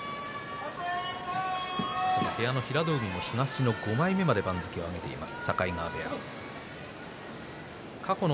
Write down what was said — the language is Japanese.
部屋の平戸海も５枚目まで番付を上げています。